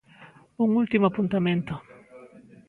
Un último apuntamento.